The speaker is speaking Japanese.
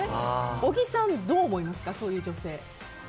小木さん、どう思いますかそういう女性。